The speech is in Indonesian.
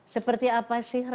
seperti apa sih revolusi